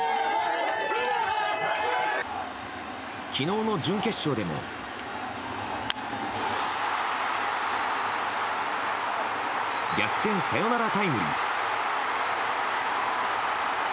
昨日の準決勝でも逆転サヨナラタイムリー。